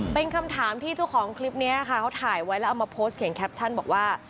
เป็นคำถามที่เจ้าของคลิปนี้ค่ะเขาถ่ายไว้แล้วเอามาโพสต์เขียนแคปชั่นบอกว่า